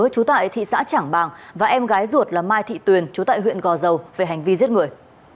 chú tại thị xã trảng bàng và em gái ruột là mai thị tuyền chú tại huyện gò dầu về hành vi giết người